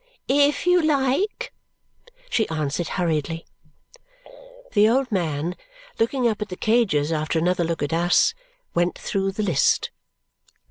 "If you like," she answered hurriedly. The old man, looking up at the cages after another look at us, went through the list.